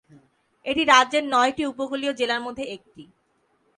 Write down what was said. এটি রাজ্যের নয়টি উপকূলীয় জেলার মধ্যে একটি।